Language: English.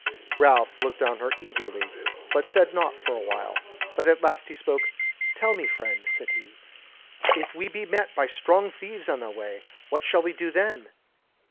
Ralph looked on her eagerly, but said naught for a while; but at last he spoke: "Tell me, friend," said he, "if we be met by strong thieves on the way, what shall we do then?"